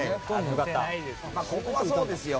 ここはそうですよ。